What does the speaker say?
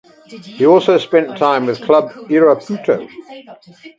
He also spent time with Club Irapuato.